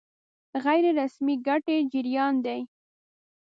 غیر رسمي ګټې جريان دي.